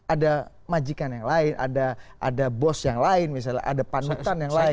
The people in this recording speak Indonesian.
ada majikan yang lain ada bos yang lain misalnya ada panutan yang lain